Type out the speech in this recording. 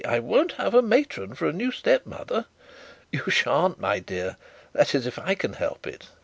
I won't have a matron for a new step mother.' 'You shan't, my dear; that is if I can help it.